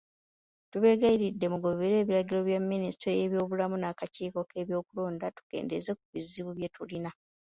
Tubeegayiridde mugoberere ebiragiro bya minisitule y'ebyobulamu n'akakiiko k'ebyokulonda, tukendeeze ku bizibu bye tulina.